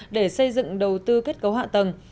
để xây dựng đầu tư kết cấu hạ tầng